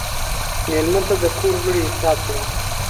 مېلمه ته د کور غړی حساب کړه.